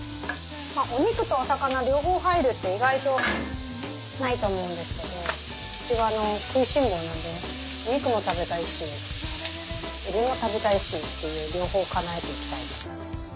お肉とお魚両方入るって意外とないと思うんですけどうちは食いしん坊なんでお肉も食べたいしえびも食べたいしっていう両方かなえていきたい。